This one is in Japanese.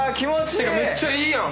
めっちゃいいやん！